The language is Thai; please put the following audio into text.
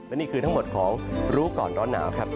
และนี่คือทั้งหมดของรู้ก่อนร้อนหนาวครับ